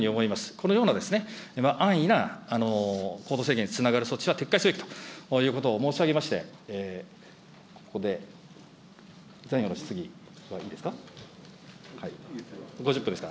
このような安易な行動制限につながる措置は撤回すべきということを申し上げまして、ここで残余の質疑はいいですか。